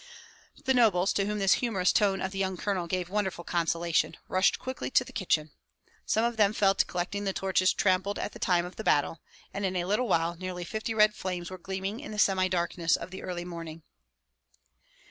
The nobles, to whom this humorous tone of the young colonel gave wonderful consolation, rushed quickly to the kitchen. Some of them fell to collecting the torches trampled at the time of the battle, and in a little while nearly fifty red flames were gleaming in the semi darkness of the early morning.